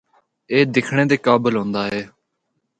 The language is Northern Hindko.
اے دکھنڑے دے قابل ہوندا ہے۔